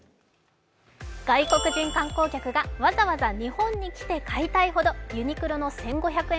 外国人観光客がわざわざ日本に来て買いたいほどユニクロの１５００円